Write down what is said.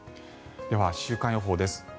では週間予報です。